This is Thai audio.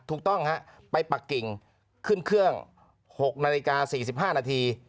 ถูกต้องฮะไปปักกิ่งขึ้นเครื่อง๖นาฬิกา๔๕นาที